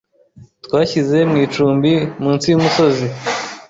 Twashyize mu icumbi munsi yumusozi.